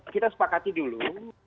kita sepakati dulu